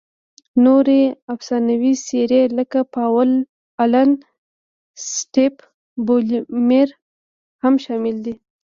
نورې افسانوي څېرې لکه پاول الن، سټیف بولمیر هم شامل دي.